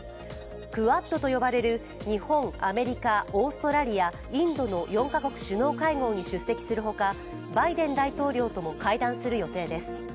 クアッドと呼ばれる日本、アメリカオーストラリア、インドの４カ国首脳会合に出席するほかバイデン大統領とも会談する予定です。